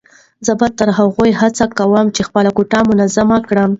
زه به تر هغو هڅه کوم چې خپله کوټه منظمه کړم.